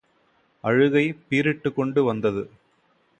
அழுகை பீறிட்டுக் கொண்டு வந்தது.